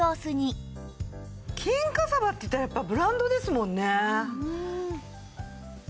金華さばっていったらやっぱブランドですもんね。